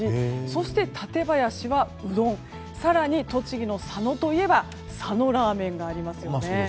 そして館林はうどん更に栃木の佐野といえば佐野ラーメンがありますよね。